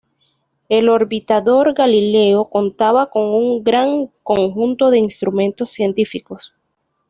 El orbitador Galileo contaba con un gran conjunto de instrumentos científicos.